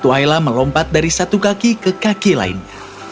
melompat dari satu kaki ke kaki lainnya